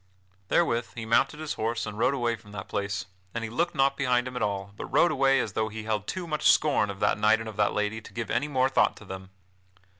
Therewith he mounted his horse and rode away from that place And he looked not behind him at all, but rode away as though he held too much scorn of that knight and of that lady to give any more thought to them.